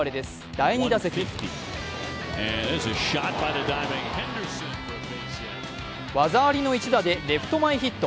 第２打席、技ありの一打でレフト前ヒット。